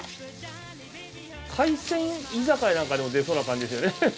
海鮮居酒屋なんかでも出そうな感じですよね。